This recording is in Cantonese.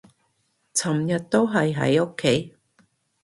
尋日都係喺屋企